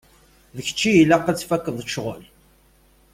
D kečč i ilaq ad tfakkeḍ ccɣel.